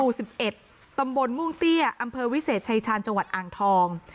อู๋สิบเอ็ดตำบลมุ่งเตี้ยอำเภอวิเศษชายชาญจังหวัดอ่างทอง